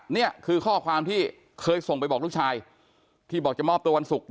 นี่คือข้อความที่เคยส่งไปบอกลูกชายที่บอกจะมอบตัววันศุกร์